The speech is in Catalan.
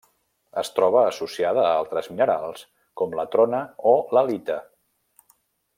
Es troba associada a altres minerals com la trona o l'halita.